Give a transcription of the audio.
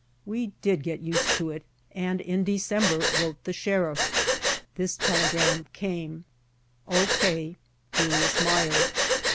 We did get used to it and in December wrote the Sheriff. This telegram came: "O. K. Julius Meyer."